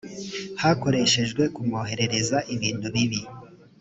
hakoreshejwe kumwoherereza ibintu bibi